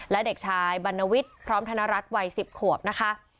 และเด็กชายบรรณวิทย์พร้อมธนรัฐวัย๑๐ขวบนะคะ